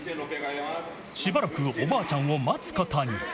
しばらくおばあちゃんを待つことに。